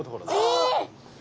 えっ！